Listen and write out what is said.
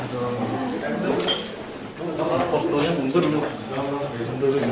kortonya mundur dulu